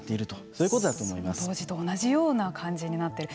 その当時と同じような感じになっている。